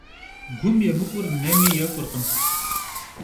Gum yêmık'ur nemi yêk'urkhım.